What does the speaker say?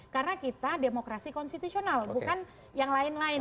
karena kita demokrasi konstitusional bukan yang lain lain